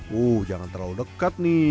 wuh jangan terlalu dekat nih